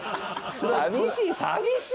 寂しい。